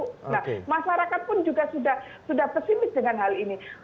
nah masyarakat pun juga sudah pesimis dengan hal ini